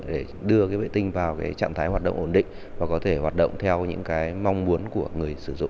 để đưa cái vệ tinh vào cái trạng thái hoạt động